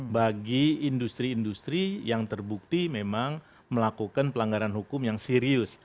bagi industri industri yang terbukti memang melakukan pelanggaran hukum yang serius